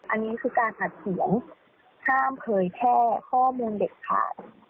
อันนี้คือการอัดเสียงห้ามเผยแพร่ข้อมูลเด็ดขาด